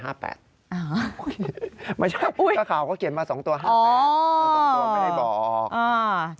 เค้าก็เขียนตรงนี้๒ตัว๕๘ไม่ได้บอก